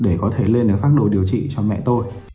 để có thể lên phát đồ điều trị cho mẹ tôi